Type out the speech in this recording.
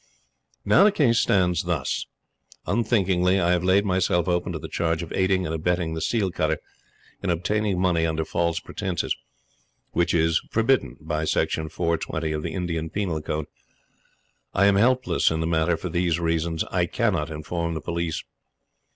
......... Now the case stands thus. Unthinkingly, I have laid myself open to the charge of aiding and abetting the seal cutter in obtaining money under false pretences, which is forbidden by Section 420 of the Indian Penal Code. I am helpless in the matter for these reasons, I cannot inform the Police.